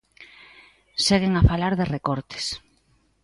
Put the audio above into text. Seguen a falar de recortes.